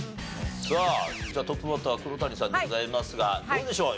さあじゃあトップバッターは黒谷さんでございますがどうでしょう？